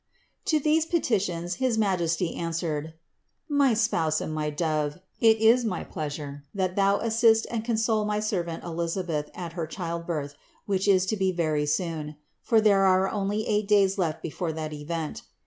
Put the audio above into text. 266. To these petitions his Majesty answered: "My Spouse and my Dove, it is my pleasure that thou assist and console my servant Elisabeth at her childbirth, which is to be very soon; for there are only eight days left before that event.